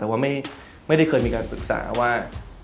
แต่ว่าไม่ได้เคยมีการปรึกษาว่า